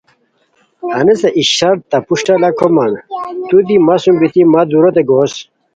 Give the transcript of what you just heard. ہنیسے ای شرط تہ پروشٹہ لاکھومان تو دی مہ سُم بیتی مہ دُوروت گوس